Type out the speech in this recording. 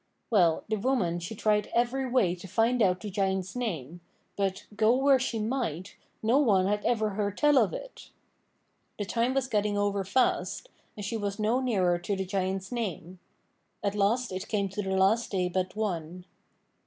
Well, the woman she tried every way to find out the Giant's name, but, go where she might, no one had ever heard tell of it. The time was getting over fast, and she was no nearer to the Giant's name. At last it came to the last day but one.